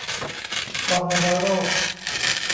กองวัณโรค